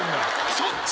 そっち！